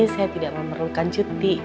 saya tidak memerlukan cuti